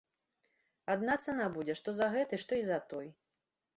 Адна цана будзе што за гэты, што і за той.